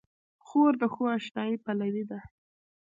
خور د ښو اشنايي پلوي ده.